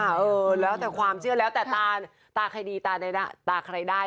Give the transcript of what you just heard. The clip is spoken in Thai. เออแล้วแต่ความเชื่อแล้วแต่ตาตาใครดีตาใครได้